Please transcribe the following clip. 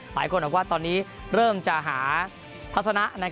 หลายคนบอกว่าตอนนี้เริ่มจะหาทัศนะ